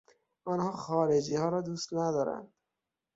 آنها خارجیها را دوست ندارند.